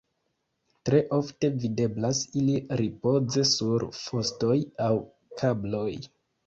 Tre ofte videblas ili ripoze sur fostoj aŭ kabloj.